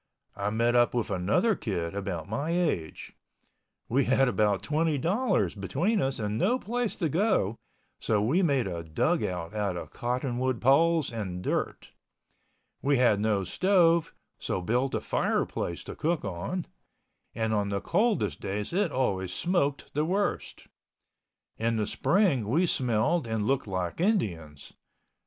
I met up with another kid about my age. We had about $20.00 between us and no place to go. So we made a dugout out of cottonwood poles and dirt. We had no stove, so built a fireplace to cook on—and on the coldest days it always smoked the worst. In the spring we smelled and looked like Indians.